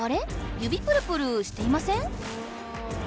指プルプルしていません？